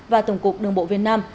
và tổng cục đường bộ việt nam